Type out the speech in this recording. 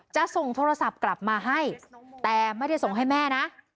จะส่งโทรศัพท์กลับมาให้แต่ไม่ได้ส่งให้แม่นะ